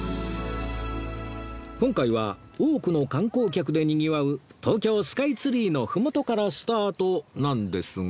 今回は多くの観光客で賑わう東京スカイツリーの麓からスタートなんですが